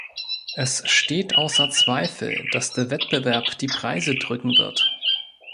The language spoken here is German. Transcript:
Es steht außer Zweifel, dass der Wettbewerb die Preise drücken wird.